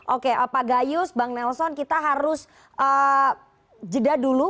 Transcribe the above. oke pak gayus bang nelson kita harus jeda dulu